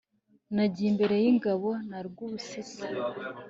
Nagiye imbere yingabo na Rwubusisi